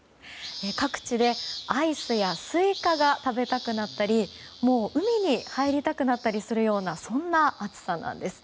各地でアイスやスイカが食べたくなったりもう海に入りたくなったりするようなそんな暑さなんです。